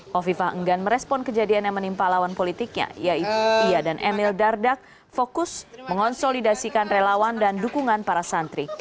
hovifah enggan merespon kejadian yang menimpa lawan politiknya yaitu ia dan emil dardak fokus mengonsolidasikan relawan dan dukungan para santri